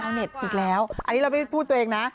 อันนี้เราไม่พูดตัวเองนะ